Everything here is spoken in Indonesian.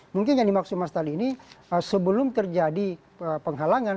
mungkin yang dimaksud mas tali ini sebelum terjadi penghalangan